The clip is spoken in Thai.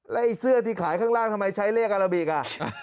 แล้วไอ้เสื้อที่ขายข้างล่างทำไมใช้เลขอาราบิกอ่ะ